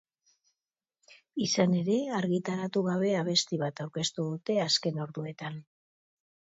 Izan ere, argitaratu gabe abesti bat aurkeztu dute azken orduetan.